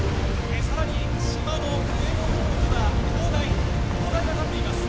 さらに島の上の方には灯台灯台が立っています